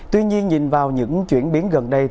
tuy nhiên nhìn vào những chuyển biến gần đây